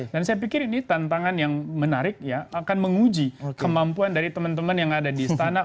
dan saya pikir ini tantangan yang menarik ya akan menguji kemampuan dari teman teman yang ada di istana